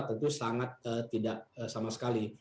tentu sangat tidak sama sekali